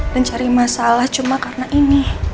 dan cari masalah cuma karena ini